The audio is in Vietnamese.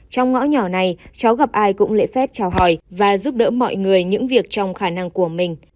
trong ngõ nhỏ này cháu gặp ai cũng lễ phép trao hỏi và giúp đỡ mọi người những việc trong khả năng của mình